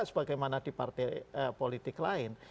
sebagaimana di partai politik lain